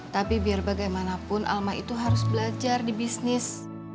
tapi biar bagaimanapun alma itu harus belajar di bisnis